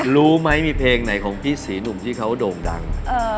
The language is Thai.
รู้ไหมมีเพลงไหนของพี่ศรีหนุ่มที่เขาโด่งดัง